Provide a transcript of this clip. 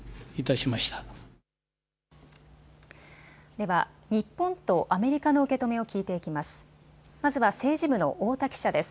では日本とアメリカの受け止めを聞いていきます。